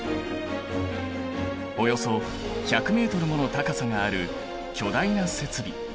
およそ１００ｍもの高さがある巨大な設備。